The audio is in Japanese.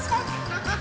ハハハハッ！